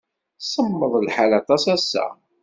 Semmeḍ lḥal aṭas ass-a.